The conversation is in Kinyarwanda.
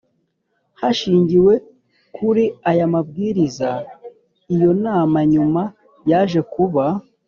Hashingiwe kuri aya mabwiriza iyo nama nyuma yaje kuba